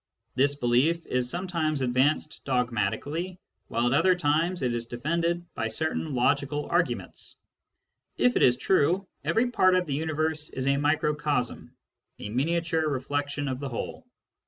This belief is some times advanced dogmatically, while at other times it is defended by certain logical arguments. If it is true, every part of the universe is a microcosm, a miniature reflection of the whole.